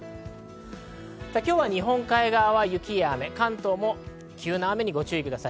今日は日本海側は雪や雨、関東も急な雨にご注意ください。